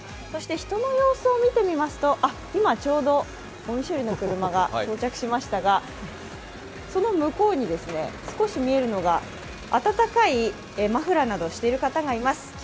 そして人の様子を見てみますと、ちょうどごみ処理の車が到着しましたが、その向こうに少し見えるのが暖かいマフラーなどをしている方がいます。